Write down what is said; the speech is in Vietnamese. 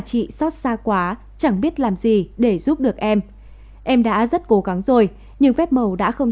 chị xót xa quá chẳng biết làm gì để giúp được em em đã rất cố gắng rồi nhưng phép màu đã không